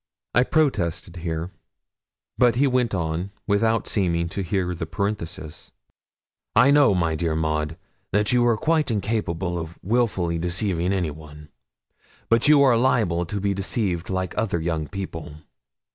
I protested here. But he went on without seeming to hear the parenthesis 'I know, my dear Maud, that you are quite incapable of wilfully deceiving anyone; but you are liable to be deceived like other young people.